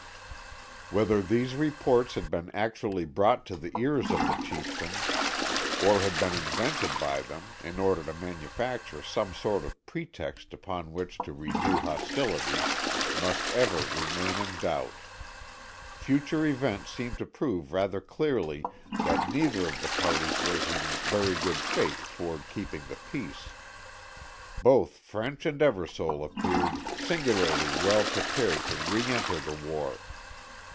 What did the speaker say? Whether these reports had been actually brought to the ears of the chieftains, or had been invented by them in order to manufacture some sort of pretext upon which to renew hostilities, must ever remain in doubt. Future events seem to prove rather clearly that neither of the parties was in very good faith toward keeping the peace. Both French and Eversole appeared singularly well prepared to re enter the war.